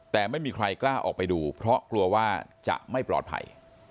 แต่ไม่มีใครกล้าออกไปดูเพราะกลัวว่าจะไม่ปลอดภัย